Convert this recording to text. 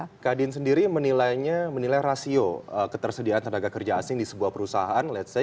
kalau kadin sendiri menilai rasio ketersediaan tenaga kerja asing di sebuah perusahaan